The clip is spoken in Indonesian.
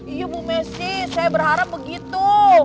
iya bu messi saya berharap begitu